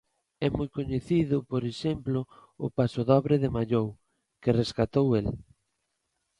É moi coñecido por exemplo o pasodobre de Mallou, que rescatou el.